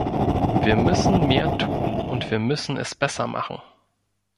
Wir müssen mehr tun, und wir müssen es besser machen.